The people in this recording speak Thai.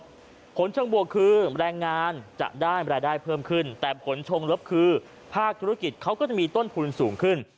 ผลเชิงบวกคือแรงงานจะได้รายได้เพิ่มขึ้นแต่ผลชงลบคือภาคธุรกิจเขาก็จะมีต้นทุนสูงขึ้น